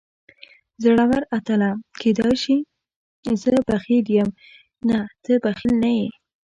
زوړ اتله، کېدای شي زه بخیل یم، نه ته بخیل نه یې.